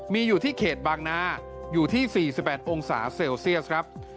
มีอยู่ที่เขตบางนาอยู่ที่๔๘องศาเซลเซียสครับ